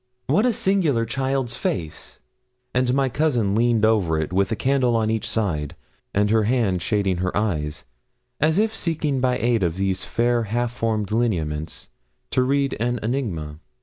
What a singular child's face!' And my cousin leaned over it with a candle on each side, and her hand shading her eyes, as if seeking by aid of these fair and half formed lineaments to read an enigma.